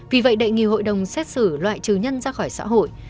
vì vậy đề nghị hội đồng xét xử loại trừ nhân ra khỏi xã hội